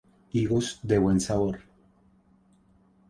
Higos de buen sabor.